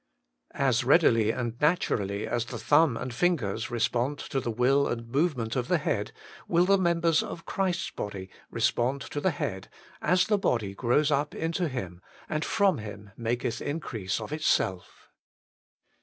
As readily and naturally as the thumb and fingers respond to the will and movement of the head will the members of Christ's body respond to the Head, as the body grows up into Him, and from Him maketh increase of itself.